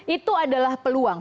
itu adalah peluang